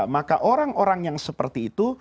maka orang orang yang seperti itu